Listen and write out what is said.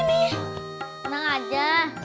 ini tenang aja